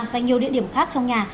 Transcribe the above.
và nhiều địa điểm khác trong nhà